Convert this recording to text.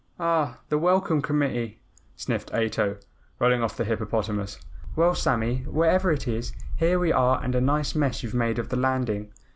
"Ah! The welcome committee!" sniffled Ato, rolling off the hippopotamus. "Well, Sammy, wherever it is, here we are and a nice mess you've made of the landing.